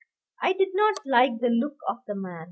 I did not like the look of the man.